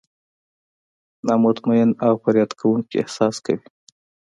نا مطمئن او فریاد کوونکي احساس کوي.